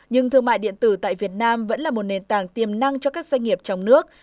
nhưng thương mại điện tử tại việt nam vẫn là một nền tảng tiềm năng cho các doanh nghiệp trong nước